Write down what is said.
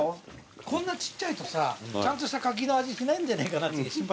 こんなちっちゃいとさちゃんとした柿の味しないんじゃないかなって心配したけど。